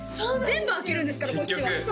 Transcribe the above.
全部開けるんですからこっちは結局？